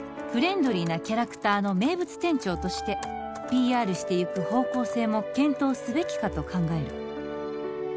「フレンドリーなキャラクターの名物店長として」「ＰＲしていく方向性も検討すべきかと考える」